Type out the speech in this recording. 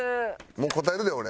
もう答えるで俺。